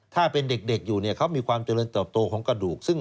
ถ้าเป็นเด็กอยู่เขามีความเจริญต่อของกระดูก